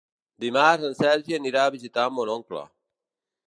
Dimarts en Sergi anirà a visitar mon oncle.